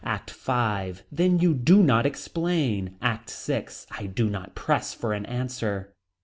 ACT V. Then you do not explain. ACT VI. I do not press for an answer.